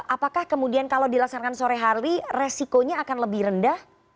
apakah kemudian kalau dilaksanakan sore hari resikonya akan lebih rendah